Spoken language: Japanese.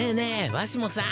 わしもさん。